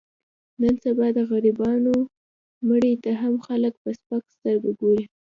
نن سبا د غریبانو مړي ته هم خلک په سپکه سترګه ګوري.